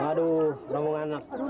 aduh bangungan anak